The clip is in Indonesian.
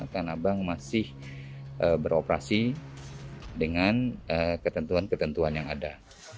tanah bank masih beroperasi dengan ketentuan ketentuan yang ada